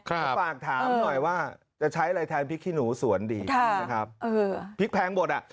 ก็ฝากถามหน่อยว่าจะใช้อะไรแทนพริกขี้หนูสวนดีนะครับพริกแพงหมดอ่ะ